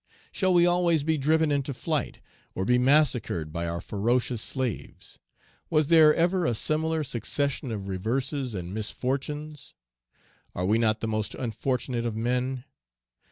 Shall we always be driven into flight, or be massacred by our ferocious slaves? Was there ever a similar succession of reverses and misfortunes? Are we not the most unfortunate of men?